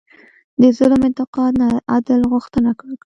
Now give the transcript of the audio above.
د ظلم انتقام نه، عدل غوښتنه وکړه.